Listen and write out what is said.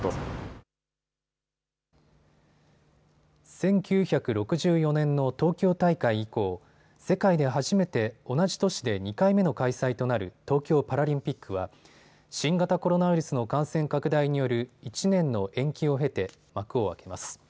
１９６４年の東京大会以降、世界で初めて同じ都市で２回目の開催となる東京パラリンピックは新型コロナウイルスの感染拡大による１年の延期を経て幕を開けます。